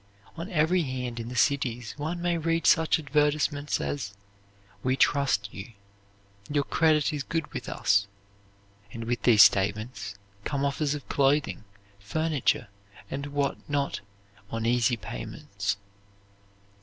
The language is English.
On every hand in the cities one may read such advertisements as "We Trust You," "Your Credit is Good With Us," and with these statements come offers of clothing, furniture, and what not "on easy payments."